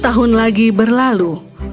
tiga puluh tahun lagi berlalu